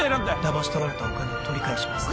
ダマし取られたお金を取り返します